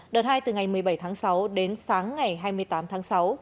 đợt hai từ ngày một mươi bảy tháng sáu đến sáng ngày hai mươi tám tháng sáu